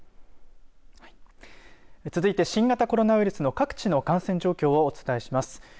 続いて新型コロナウイルスの各地の感染状況をお伝えします。